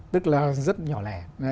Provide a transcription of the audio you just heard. tức là rất nhỏ lẻ